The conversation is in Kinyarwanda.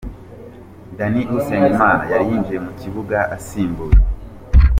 Danny Usengimana yari yinjiye mu kibuga asimbuye.